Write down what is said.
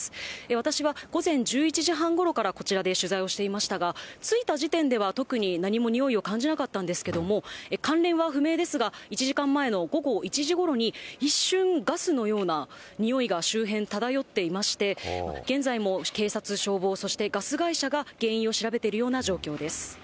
私は午前１１時半ごろからこちらで取材をしていましたが、着いた時点では特に何も臭いを感じなかったんですけれども、関連は不明だったら１時間前の午後１時ごろに、一瞬、ガスのような臭いが、周辺、漂っていまして、現在も警察、消防、そしてガス会社が原因を調べているような状況です。